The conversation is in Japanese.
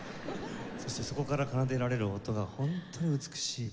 そしてそこから奏でられる音がホントに美しい。